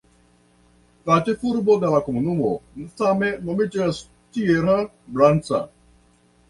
La ĉefurbo de la komunumo same nomiĝas "Tierra Blanca".